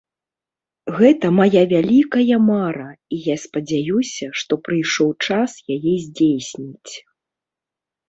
Гэта мая вялікая мара, і я спадзяюся, што прыйшоў час яе здзейсніць!